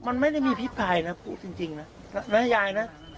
มันไม่ได้มีพิภัยนะจริงนะน้ายายนะ